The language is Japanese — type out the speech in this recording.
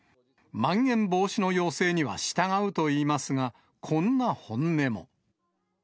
まん延防止の要請には従うといいますが、こんな本音も。